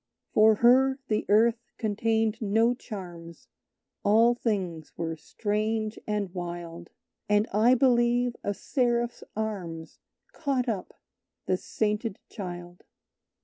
"For her the Earth contained no charms; All things were strange and wild; And I believe a Seraph's arms Caught up the sainted Child."